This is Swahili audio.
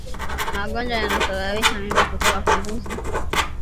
Magonjwa yanayosababisha mimba kutoka kwa mbuzi